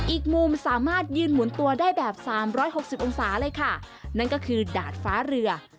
อีกมุมสามารถยืนหมุนตัวได้แบบสามร้อยหกสิบองศาเลยค่ะนั่นก็คือดาดฟ้าเรือ